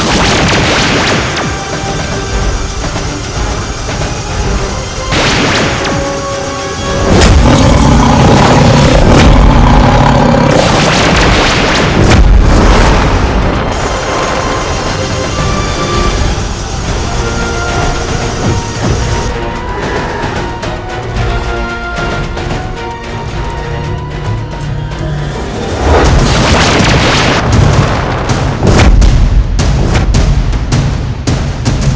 untuk memulihkan tenaga